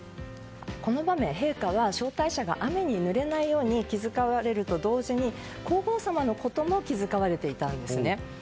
この場面、陛下は招待者が雨にぬれないように気遣われると同時に皇后さまのことも気遣われていたんです。